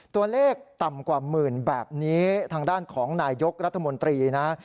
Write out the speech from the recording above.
ตัวเลขต่ำกว่าหมื่นแบบนี้ทางด้านของนายยกรัฐมนตรีนะ